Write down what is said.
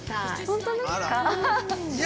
◆本当ですか？